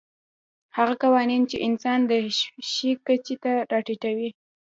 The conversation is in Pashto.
هغه قوانین چې انسان د شي کچې ته راټیټوي.